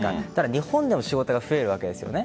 日本での仕事が増えるわけですよね。